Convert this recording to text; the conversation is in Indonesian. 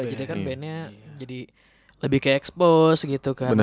jadi kan bandnya jadi lebih kayak expose gitu kan